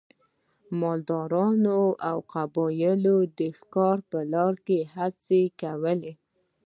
مالدارو قبیلو د ښکار په لاره کې هڅې کولې.